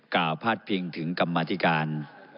ก้าวพลาดเพียงถึงกรรมานธิการ